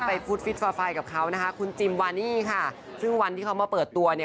ฟุตฟิตฟอร์ไฟกับเขานะคะคุณจิมวานี่ค่ะซึ่งวันที่เขามาเปิดตัวเนี่ย